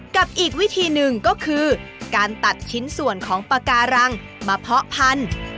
กับอีกวิธีหนึ่งก็คือการตัดชิ้นส่วนของปากการังมาเพาะพันธุ์